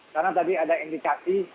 karena tadi ada indikasi